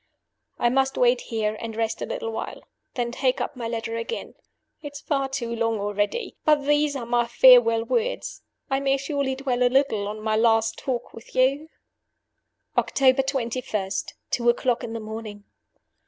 "I must wait here, and rest a little while then take up my letter again. It is far too long already. But these are my farewell words. I may surely dwell a little on my last talk with you! "October 21. Two o'clock in the morning.